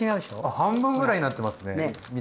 半分ぐらいになってますね見た目。